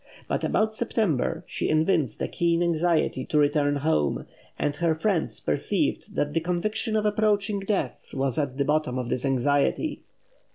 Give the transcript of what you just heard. But about September she evinced a keen anxiety to return home; and her friends perceived that the conviction of approaching death was at the bottom of this anxiety.